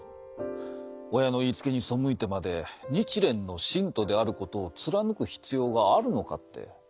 親の言いつけに背いてまで日蓮の信徒であることを貫く必要があるのかって。